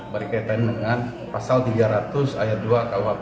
berkaitan dengan pasal tiga ratus ayat dua kuhp